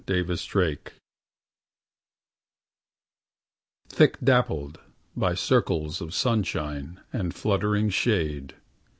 A Bather THICK dappled by circles of sunshine and fluttering shade.